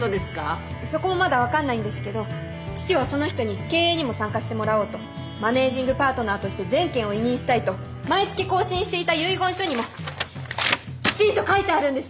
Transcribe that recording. そこもまだ分かんないんですけど父はその人に経営にも参加してもらおうとマネージングパートナーとして全権を委任したいと毎月更新していた遺言書にもきちんと書いてあるんです。